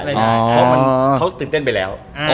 เพราะเขาตื่นเต้นไปแล้ว